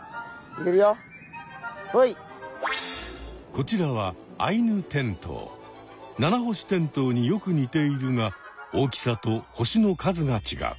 こちらはナナホシテントウによく似ているが大きさと星の数が違う。